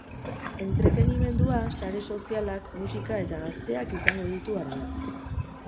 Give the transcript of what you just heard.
Entretenimendua, sare sozialak, musika eta gazteak izango ditu ardatz.